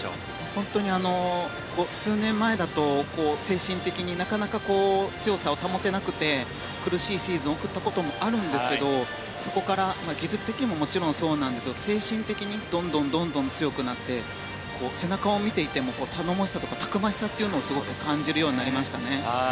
本当に数年前だと精神的になかなか強さを保てなくて苦しいシーズンを送ったこともあるんですけどそこから技術的にももちろん、そうなんですが精神的にどんどん、どんどん強くなって、背中を見ていても頼もしさとかたくましさをすごく感じるようになりました。